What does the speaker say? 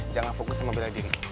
jangan fokus sama belakang diri